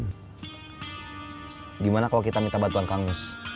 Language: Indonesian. bagaimana kalau kita minta bantuan kang nus